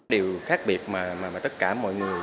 điều khác biệt mà tất cả mọi người